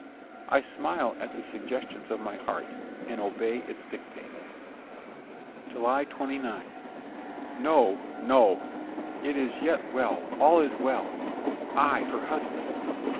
I smile at the suggestions of my heart, and obey its dictates. JULY 29. No, no! it is yet well all is well! I her husband!